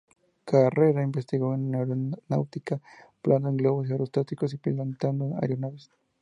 Durante su carrera investigó en aeronáutica, volando en globos aerostáticos y pilotando aeronaves.